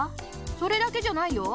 それだけじゃないよ。